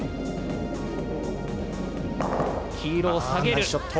黄色を下げる。